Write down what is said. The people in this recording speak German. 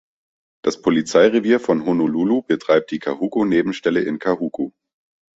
Das Polizeirevier von Honolulu betreibt die Kahuku-Nebenstelle in Kahuku.